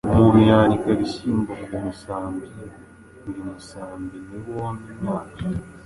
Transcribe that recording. Umuntu yanika bishyimbo ku musambi. Uyu musambi ntiwona imyaka.